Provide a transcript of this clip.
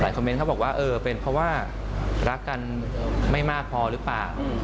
คอมเมนต์เขาบอกว่าเออเป็นเพราะว่ารักกันไม่มากพอหรือเปล่า